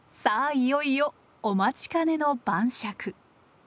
いよいよお待ちかねの晩酌。